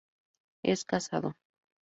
Es casado.